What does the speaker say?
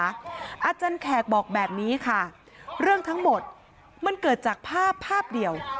อาจารย์แขกบอกแบบนี้ค่ะเรื่องทั้งหมดมันเกิดจากภาพภาพเดียว